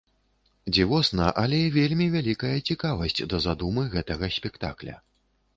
Дзівосна, але вельмі вялікая цікавасць да задумы гэтага спектакля.